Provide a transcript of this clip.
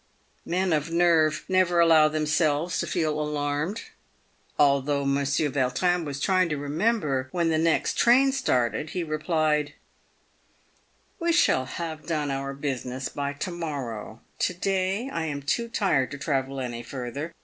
Men of nerve never allow themselves to feel alarmed. Although Monsieur Yautrin was trying to remember when the next train started, he replied, " We shall have done our business by to morrow. To day, I am too tired to travel any further.